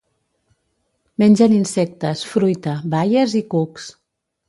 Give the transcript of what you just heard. Mengen insectes, fruita, baies i cucs.